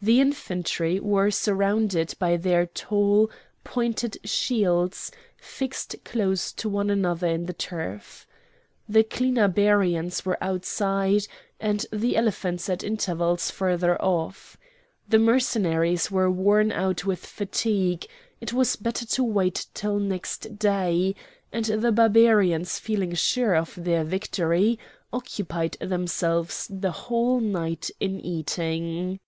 The infantry were surrounded by their tall, pointed shields fixed close to one another in the turf. The Clinabarians were outside and the elephants at intervals further off. The Mercenaries were worn out with fatigue; it was better to wait till next day; and the Barbarians feeling sure of their victory occupied themselves the whole night in eating.